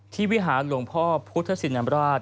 วิหารหลวงพ่อพุทธศินนำราช